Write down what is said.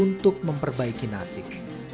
untuk memperbaiki nasik